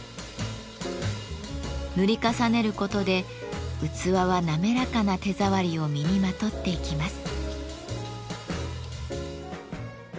塗り重ねることで器は滑らかな手触りを身にまとっていきます。